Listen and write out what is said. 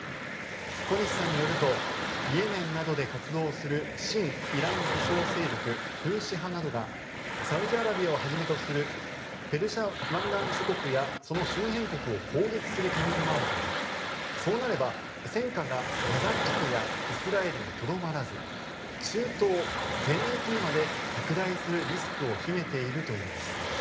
小西さんによるとイエメンなどで活動する親イラン武装勢力のフーシ派などがサウジアラビアをはじめとするペルシャ湾岸諸国やその周辺国を攻撃する懸念もあるといいそうなれば、戦火がガザ地区やイスラエルにとどまらず中東全域にまで拡大するリスクを秘めているといいます。